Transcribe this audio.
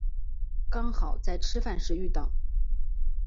刚好在吃饭时遇到